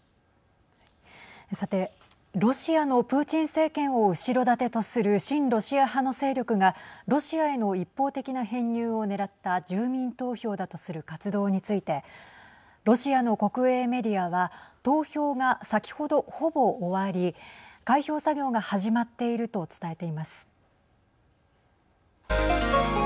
さて、ロシアのプーチン政権を後ろ盾とする親ロシア派の勢力がロシアへの一方的な編入をねらった住民投票だとする活動についてロシアの国営メディアは投票が先ほど、ほぼ終わり開票作業が始まっていると伝えています。